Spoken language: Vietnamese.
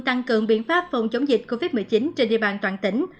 tăng cường biện pháp phòng chống dịch covid một mươi chín trên địa bàn toàn tỉnh